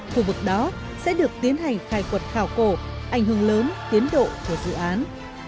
khu vực đó sẽ được tiến hành khai quật khảo cổ ảnh hưởng lớn tiến độ của dự án